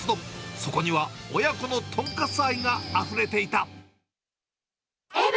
そこには親子のとんかつ愛があふれていた。